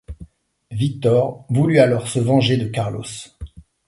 Victor voulut alors se venger de Carlos.